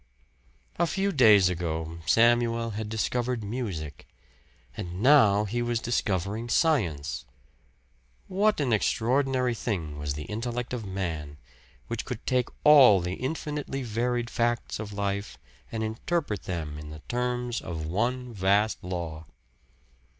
A few days ago Samuel had discovered music. And now he was discovering science. What an extraordinary thing was the intellect of man, which could take all the infinitely varied facts of life and interpret them in the terms of one vast law.